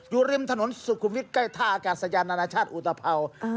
ริมถนนสุขุมวิทย์ใกล้ท่าอากาศยานานาชาติอุตภัวร์